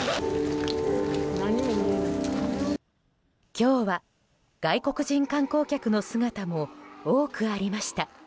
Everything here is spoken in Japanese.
今日は外国人観光客の姿も多くありました。